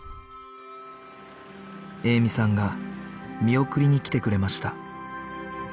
栄美さんが見送りに来てくれました